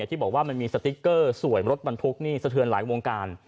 ที่บอกว่ามันมีสติ๊กเกอร์สวยรถบรรทุกนี่สะเทือนหลายวงการ